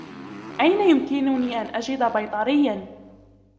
أين يمكنني أن أجد بيطريّا ؟